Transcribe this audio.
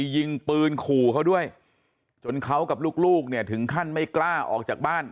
ยิงปืนขู่เขาด้วยจนเขากับลูกเนี่ยถึงขั้นไม่กล้าออกจากบ้าน